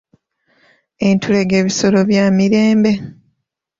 Entulege bisolo bya mirembe.